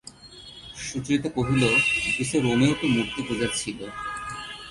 সুচরিতা কহিল, গ্রীসে রোমেও তো মূর্তিপূজা ছিল।